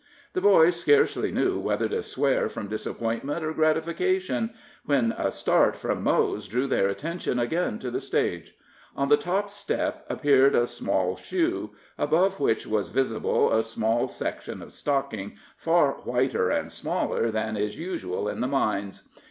The boys scarcely knew whether to swear from disappointment or gratification, when a start from Mose drew their attention again to the stage. On the top step appeared a small shoe, above which was visible a small section of stocking far whiter and smaller than is usual in the mines.